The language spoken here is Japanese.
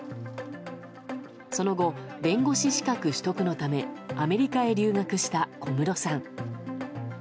その後、弁護士資格取得のためアメリカへ留学した小室さん。